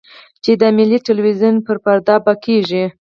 چې د ملي ټلویزیون پر پرده به کېږي.